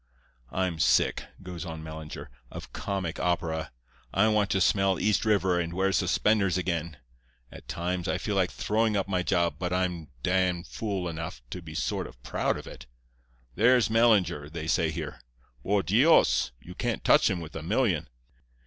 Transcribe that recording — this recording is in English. I'm sick,' goes on Mellinger, 'of comic opera. I want to smell East River and wear suspenders again. At times I feel like throwing up my job, but I'm d——n fool enough to be sort of proud of it. "There's Mellinger," they say here. "Por Dios! you can't touch him with a million."